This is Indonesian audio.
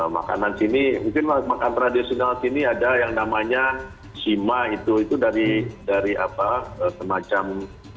makanan sini mungkin makan tradisional sini ada yang namanya sima itu itu dari dari apa semacam